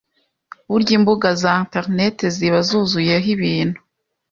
burya imbuga za Interineti ziba zuzuyeho ibintu